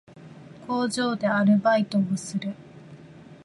工場でアルバイトをする